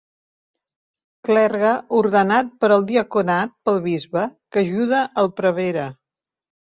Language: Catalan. Clergue ordenat per al diaconat pel bisbe, que ajuda el prevere.